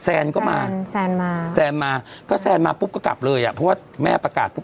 แซนก็มาแซนมาแซนมาก็แซนมาปุ๊บก็กลับเลยอ่ะเพราะว่าแม่ประกาศปุ๊